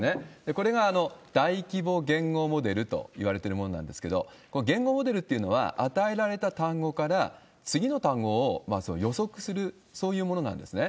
これが大規模言語モデルといわれてるものなんですけれども、この言語モデルっていうのは、与えられた単語から、次の単語を予測する、そういうものなんですね。